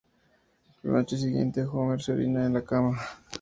La noche siguiente, Homer se orina en la cama.